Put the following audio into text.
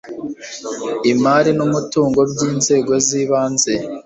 imari n umutungo by inzego z ibanze